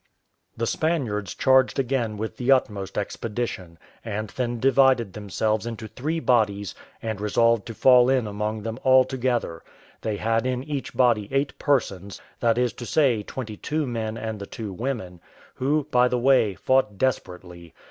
The Spaniards charged again with the utmost expedition, and then divided themselves into three bodies, and resolved to fall in among them all together. They had in each body eight persons, that is to say, twenty two men and the two women, who, by the way, fought desperately.